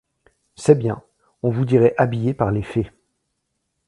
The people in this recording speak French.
C’est bien. On vous dirait habillé par les fées